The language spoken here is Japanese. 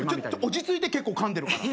落ち着いて結構かんでるから。